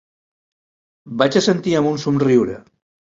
Vaig assentir amb un somriure.